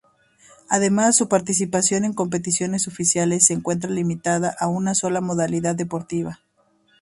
Además su participación en competiciones oficiales se encuentra limitada a una sola modalidad deportiva.